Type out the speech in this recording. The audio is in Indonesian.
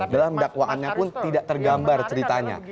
dalam dakwaannya pun tidak tergambar ceritanya